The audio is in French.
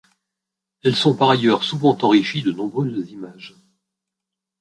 Elles sont par ailleurs souvent enrichies de nombreuses images.